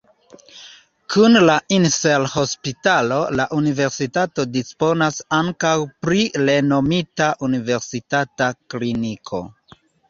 Kun la Insel-hospitalo la universitato disponas ankaŭ pri renomita universitata kliniko.